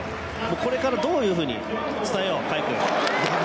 これからどういうふうに伝えようかな。